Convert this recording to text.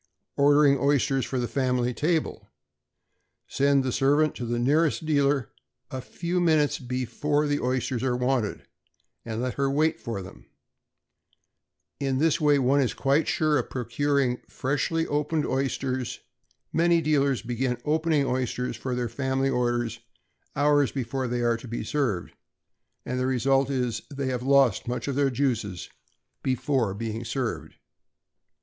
=Ordering Oysters for the Family Table.= Send the servant to the nearest dealer, a few minutes before the oysters are wanted, and let her wait for them. In this way one is quite sure of procuring freshly opened oysters. Many dealers begin opening oysters for their family orders hours before they are to be served; and the result is, they have lost much of their juices before being served.